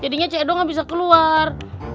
jadinya cik edo gak bisa keluar